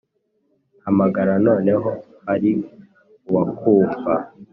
Hamagara noneho hariuwakumva